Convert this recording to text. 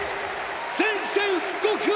宣戦布告を！！